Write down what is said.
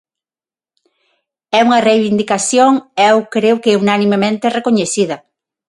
É unha reivindicación eu creo que unanimemente recoñecida.